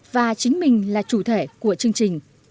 và chính mình là chủ thể của chương trình